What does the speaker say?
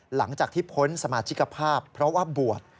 หลังจากที่พ้นสมาชิกภาพเพราะว่าบวช